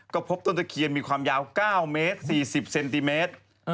ก็พบต้นตะเคียนมีความยาว๙เมตร๔๐เซนติเมตร